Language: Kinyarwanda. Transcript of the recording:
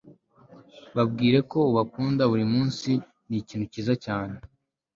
babwire ko ubakunda burimunsi - nikintu cyiza cyane